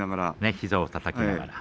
膝をたたきながら。